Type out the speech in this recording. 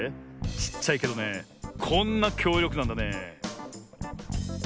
ちっちゃいけどねこんなきょうりょくなんだね。